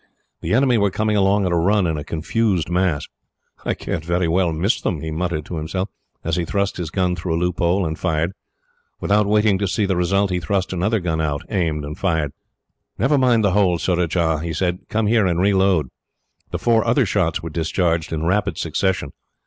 The enemy were coming along at a run, in a confused mass. "I can't very well miss them," he muttered to himself, as he thrust his gun through a loophole, and fired. Without waiting to see the result, he thrust another gun out, aimed, and fired. "Never mind the hole, Surajah," he said. "Come here and reload." The four other shots were discharged in rapid succession.